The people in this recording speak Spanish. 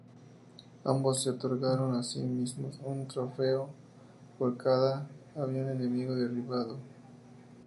Ambos se otorgaron así mismos un trofeo por cada avión enemigo derribado.